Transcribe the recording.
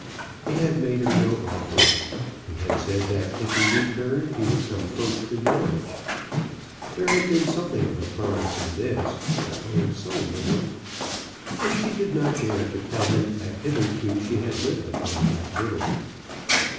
He had made her no offer. He had said that if he returned he would come first to Norwich. There had been something of a promise in this; but oh, so little! And she did not dare to tell him that hitherto she had lived upon that little.